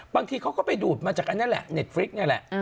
บางทีเขาก็ไปดูดมาจากอันนั้นแหละเน็ตฟริกนี่แหละ